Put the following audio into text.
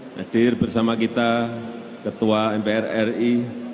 hadir bersama kita ketua mpr ri